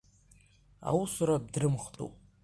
Аусура дрымхтәуп.